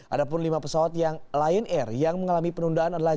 ada pun lima pesawat yang lion air yang mengalami penundaan adalah